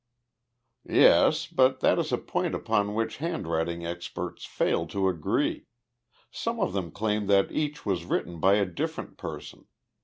"Yes, but that is a point upon which handwriting experts fail to agree. Some of them claim that each was written by a different person.